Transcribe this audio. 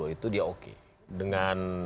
itu dia oke dengan